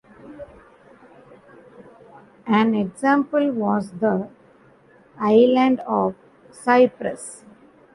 An example was the island of Cyprus.